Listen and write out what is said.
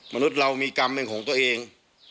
มนุษย์เรามีกรรมเป็นของตัวเอง